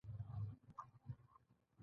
د کندهار په میانشین کې د مالګې نښې شته.